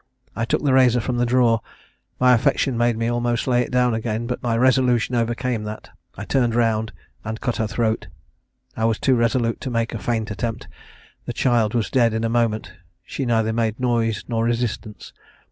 I took the razor from the drawer; my affection made me almost lay it down again, but my resolution overcame that. I turned round, and cut her throat. I was too resolute to make a faint attempt; the child was dead in a moment; she neither made noise nor resistance.